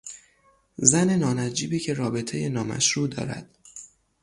زن نانجیبی که رابطهی نامشروع دارد